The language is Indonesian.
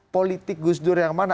politik gusdur yang mana